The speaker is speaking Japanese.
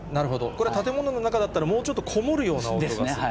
これ、建物の中だったら、もうちょっとこもるような音がする？